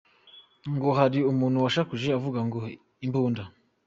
Ngo hari umuntu washakuje avuga ngo "imbunda".